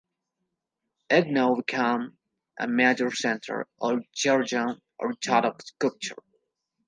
It now became a major center of Georgian Orthodox culture.